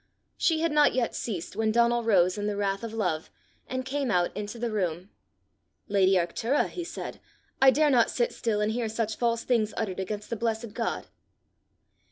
She had not yet ceased when Donal rose in the wrath of love, and came out into the room. "Lady Arctura," he said, "I dare not sit still and hear such false things uttered against the blessed God!"